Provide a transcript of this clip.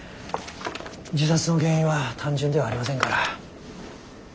自殺の原因は単純ではありませんから。